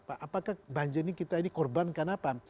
pak apakah banjir ini kita ini korbankan apa